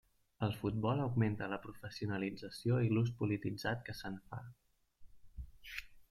El futbol augmenta la professionalització i l'ús polititzat que se'n fa.